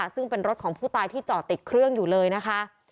ซึ่งเป็นรถของผู้ตายที่จอดติดเครื่องอยู่เลยนะคะ